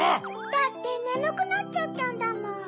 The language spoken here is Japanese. だってねむくなっちゃったんだもん。